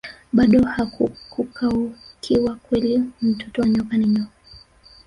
bado hakukaukiwa kweli mtoto wa nyoka ni nyoka